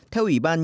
theo ủy ban